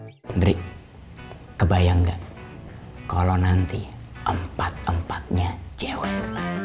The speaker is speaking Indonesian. andri kebayang gak kalo nanti empat empatnya cewek